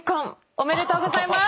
おめでとうございます。